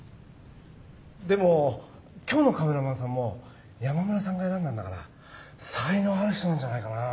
でも今日のカメラマンさんも山村さんが選んだんだから才能ある人なんじゃないかなあ。